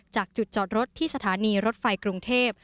จากจุดจอดรถที่สถานีรถไฟกรุงเทพ